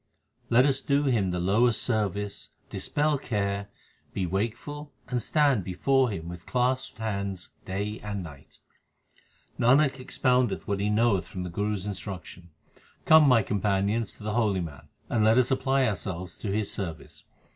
Let us do him the lowest service, dispel care, be wakeful and stand before him with clasped hands day and night. Nanak expoundeth what he knoweth from the Guru s instruction ; come, my companions, to the holy man, and let us apply ourselves to his service.